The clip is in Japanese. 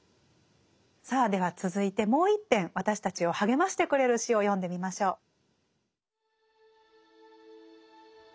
さあでは続いてもう１篇私たちを励ましてくれる詩を読んでみましょう。